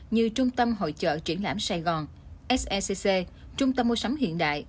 như trung tâm hội chở triển lãm sài gòn sacc trung tâm mua sắm hiện đại